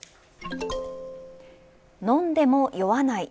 飲んでも酔わない。